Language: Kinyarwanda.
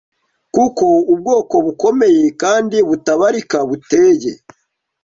Kuko ubwoko bukomeye kandi butabarika buteye